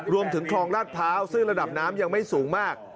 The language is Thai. รวมถึงคลองลาดพร้าวซึ่งระดับน้ำยังไม่สูงมาก